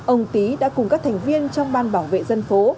ông tý đã cùng các thành viên trong ban bảo vệ dân phố